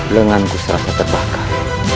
lenganku serasa terbakar